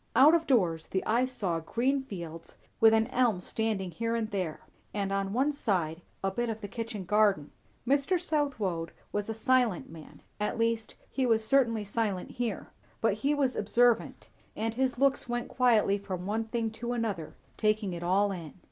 Out of doors, the eye saw green fields, with an elm standing here and there; and on one side, a bit of the kitchen garden. Mr. Southwode was a silent man, at least he was certainly silent here; but he was observant; and his looks went quietly from one thing to another, taking it all in.